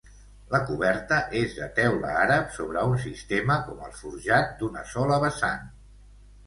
La coberta és de teula àrab sobre un sistema com el forjat, d'una sola vessant.